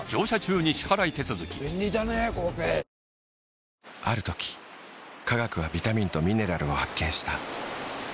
新しくなったある時科学はビタミンとミネラルを発見した。